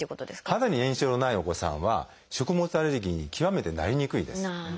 肌に炎症のないお子さんは食物アレルギーに極めてなりにくいです。